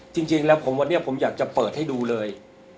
จริงแล้วผมวันนี้ผมอยากจะเปิดให้ดูเลย